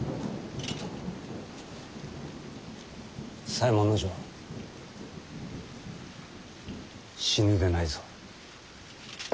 左衛門尉死ぬでないぞ。